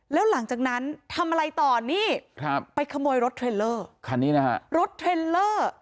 แล้วหลังจากนั้นทำอะไรตอนนี้ไปขโมยรถเทรนเลอร์รถเทรนเลอร์